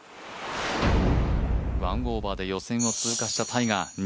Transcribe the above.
１オーバーで予選を通過したタイガー。